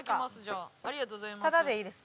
ありがとうございます。